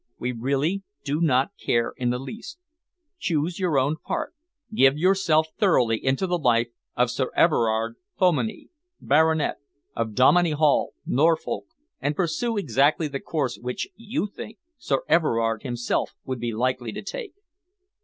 We really do not care in the least. Choose your own part. Give yourself thoroughly into the life of Sir Everard Dominey, Baronet, of Dominey Hall, Norfolk, and pursue exactly the course which you think Sir Everard himself would be likely to take."